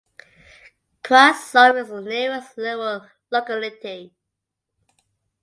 Kravtsov is the nearest rural locality.